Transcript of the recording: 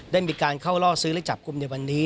ได้มีการเข้าล่อซื้อและจับกลุ่มในวันนี้